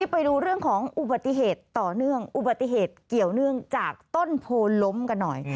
ไปดูเรื่องของอุบัติเหตุต่อเนื่องอุบัติเหตุเกี่ยวเนื่องจากต้นโพล้มกันหน่อย